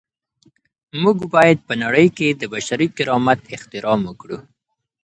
موږ باید په نړۍ کي د بشري کرامت احترام وکړو.